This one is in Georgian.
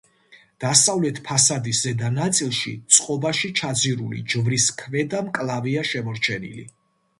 დასავლეთ ფასადის ზედა ნაწილში, წყობაში ჩაძირული ჯვრის ქვედა მკლავია შემორჩენილი.